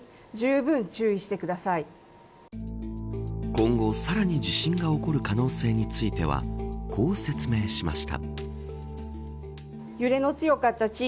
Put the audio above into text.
今後、さらに地震が起こる可能性についてはこう説明しました。